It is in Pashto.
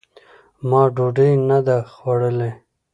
ما ډوډۍ نه ده خوړلې !